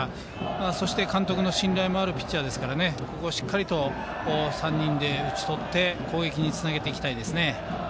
そして監督の信頼もあるピッチャーですからしっかりと３人で打ち取って攻撃につなげたいですね。